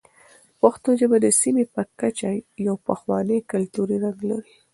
پښتو ژبه د سیمې په کچه یو پخوانی کلتوري رنګ لري.